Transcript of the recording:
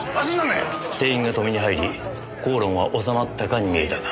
店員が止めに入り口論は収まったかに見えたが。